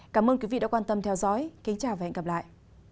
cảm ơn quý vị đã quan tâm theo dõi kính chào và hẹn gặp lại